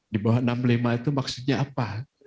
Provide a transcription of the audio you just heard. di bawah enam puluh lima itu maksudnya apa